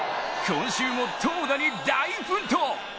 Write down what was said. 今週も投打に大奮闘！